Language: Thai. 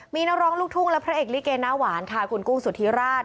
มีนักร้องลูกทุ่งและพระเอกลิเกหน้าหวานค่ะคุณกุ้งสุธิราช